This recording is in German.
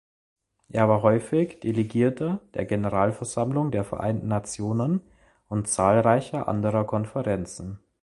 Er war häufig Delegierter der Generalversammlung der Vereinten Nationen und zahlreicher anderer Konferenzen.